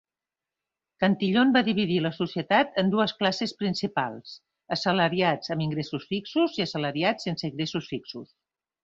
Cantillon va dividir la societat en dues classes principals: assalariats amb ingressos fixos i assalariats sense ingressos fixos.